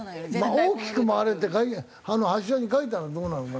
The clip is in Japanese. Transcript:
「大きく回れ」って書いたらあの柱に書いたらどうなのかな？